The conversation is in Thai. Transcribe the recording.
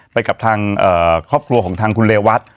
ไปกับทางครอบครัวของทางคุณเรวัต